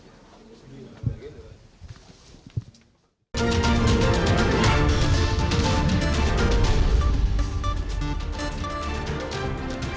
terima kasih pak